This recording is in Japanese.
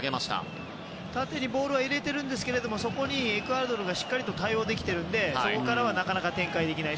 縦にボールは入れていますがそこにエクアドルがしっかり対応できているのでそこからはなかなか展開できない。